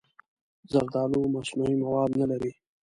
زردالو مصنوعي مواد نه لري.